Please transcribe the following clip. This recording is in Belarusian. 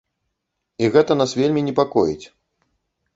І гэта нас вельмі непакоіць.